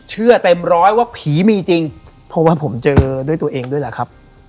เชื่อเต็มร้อยว่าผีมีจริงเพราะว่าผมเจอด้วยตัวเองด้วยแหละครับ